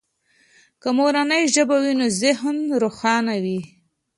که مورنۍ ژبه وي نو ذهن روښانه وي.